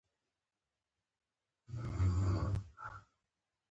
زه شاوخوا تر نیم ساعت ګرځېدو وروسته د زیارت له انګړ څخه ووتم.